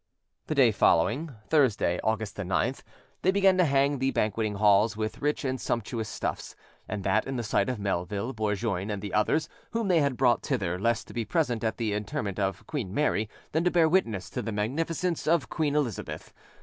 The day following, Thursday, August the 9th, they began to hang the banqueting halls with rich and sumptuous stuffs, and that in the sight of Melville, Bourgoin, and the others, whom they had brought thither, less to be present at the interment of Queen Mary than to bear witness to the magnificence of Queen Elizabeth.